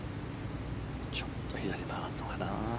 ちょっと左に曲がるのかな。